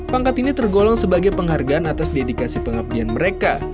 pangkat ini tergolong sebagai penghargaan atas dedikasi pengabdian mereka